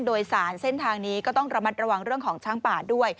โดยสารเส้นทางนี้ก็ต้องระมัดระวังเรื่องของช้างป่าด้วย